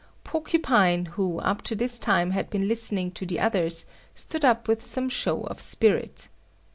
Porcupine, who up to this time had been listening to the others, stood up with some show of spirit.